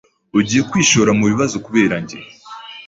Ugiye kwishora mubibazo kubera njye?